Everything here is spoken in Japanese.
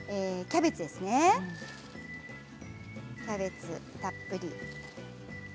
キャベツたっぷり。